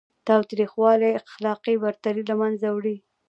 تاوتریخوالی اخلاقي برتري له منځه وړي.